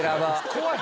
怖い！